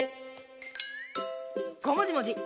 ごもじもじ！